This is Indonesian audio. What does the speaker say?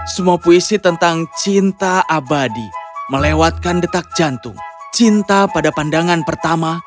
semua puisi tentang cinta abadi melewatkan detak jantung cinta pada pandangan pertama